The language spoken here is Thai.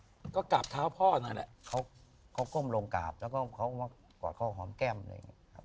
แล้วก็กราบเท้าพ่อนั่นเนี่ยเขาก้มลงกราบแล้วก็กอดเขาหอมแก้มเลย